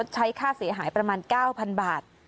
ใช้ค่าเสียหายประมาณ๙๐๐บาท